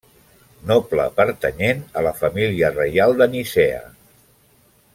Noble pertanyent a la família reial de Nicea.